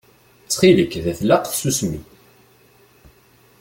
Ttxil-k da tlaq tsusmi.